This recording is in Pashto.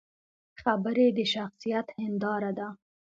خبرې د شخصیت هنداره ده